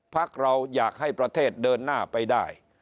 พักเราอยากให้ประเทศเดินหน้าไปได้